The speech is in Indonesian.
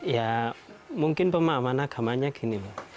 ya mungkin pemahaman agamanya gini loh